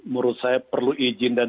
menurut saya perlu izin dan